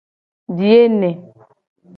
Biye ne.